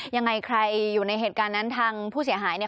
ยังไงใครอยู่ในเหตุการณ์นั้นทางผู้เสียหายเนี่ย